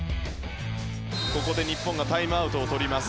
ここで日本がタイムアウトを取ります。